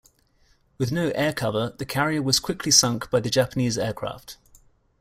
With no air cover, the carrier was quickly sunk by the Japanese aircraft.